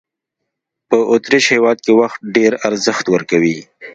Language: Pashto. په اوترېش هېواد کې وخت ډېر ارزښت ورکوي.